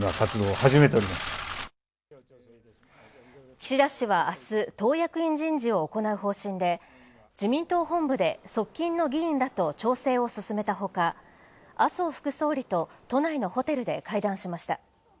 岸田氏は明日、党役員人事を行う方針で、自民党本部で側近の議員らと調整を進めたほか、麻生副総理と都内のホテルで会談しました。